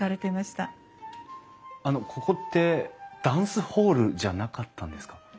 あのここってダンスホールじゃなかったんですか？